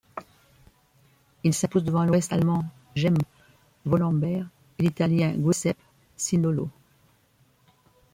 Il s'impose devant l'Ouest-allemand Jens Wollenberg et l'Italien Giuseppe Cindolo.